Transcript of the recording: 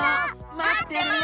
まってるよ！